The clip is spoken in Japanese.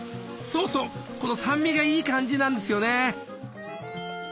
そうそうこの酸味がいい感じなんですよね。